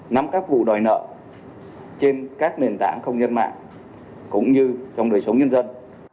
nắm các vụ đòi nợ trên các nền tảng không gian mạng cũng như trong đời sống nhân dân